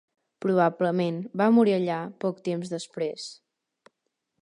Probablement va morir allà poc temps després.